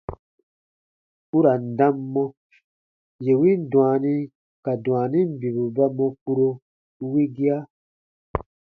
U ra n dam mɔ : yè win dwaani ka dwaanin bibu ba mɔ kpuro wigia.